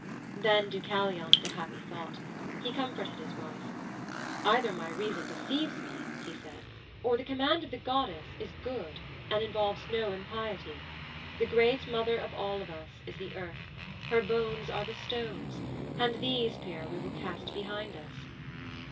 Then Deucalion had a happy thought. He comforted his wife. "Either my reason deceives me," he said, "or the command of the goddess is good and involves no impiety. The great mother of all of us is the Earth; her bones are the stones, and these, Pyrrha, we will cast behind us!"